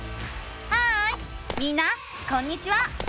ハーイみんなこんにちは！